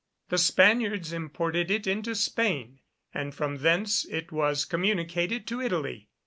The Spaniards imported it into Spain, and from thence it was communicated to Italy.